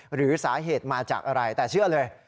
หรือสาเหตุมาจากอะไรแต่เชื่อเลย